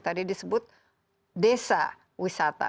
tadi disebut desa wisata